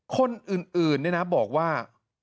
คนอื่นเนี่ยนะบอกว่า